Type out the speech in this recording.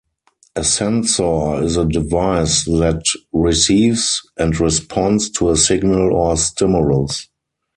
A sensor is a device that receives and responds to a signal or stimulus.